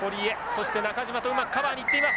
そして中島とうまくカバーに行っています。